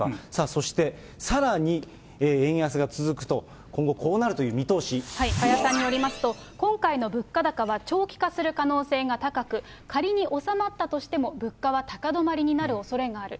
そして、さらに円安が続くと、今加谷さんによりますと、今回の物価高は長期化する可能性が高く、仮に収まったとしても物価は高止まりになるおそれがある。